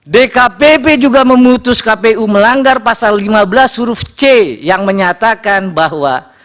dkpp juga memutus kpu melanggar pasal lima belas huruf c yang menyatakan bahwa